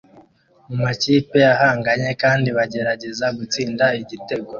mumakipe ahanganye kandi bagerageza gutsinda igitego